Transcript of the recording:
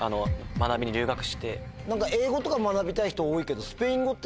英語とか学びたい人多いけど。